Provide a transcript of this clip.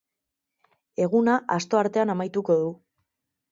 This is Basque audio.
Eguna asto artean amaituko du.